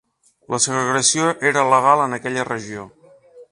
La segregació era legal en aquella regió.